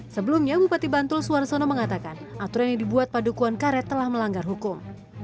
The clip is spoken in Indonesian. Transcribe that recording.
sebelumnya bupati bantul suarsono mengatakan aturan yang dibuat padukuan karet telah melanggar hukum